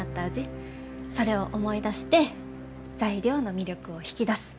それを思い出して材料の魅力を引き出す。